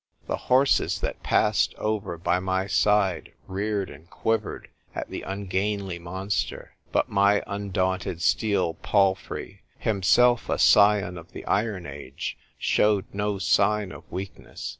The horses that passed over by my side reared and quivered at the ungainly monster; but my undaunted steel palfrey, himself a scion of the iron age, showed no sign of weakness.